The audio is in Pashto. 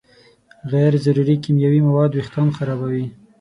غیر ضروري کیمیاوي مواد وېښتيان خرابوي.